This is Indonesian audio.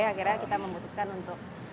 akhirnya kita memutuskan untuk